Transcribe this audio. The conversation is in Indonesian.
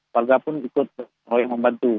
warga pun ikut membantu